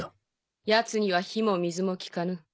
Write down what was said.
ヤツには火も水も効かぬ。